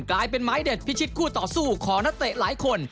กลายเป็นไม้เด็ดพิชิตคู่ต่อสู้ของนักเตะหลายคน